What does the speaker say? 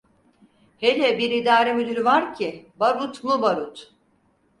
Hele bir idare müdürü vardı ki, barut mu barut…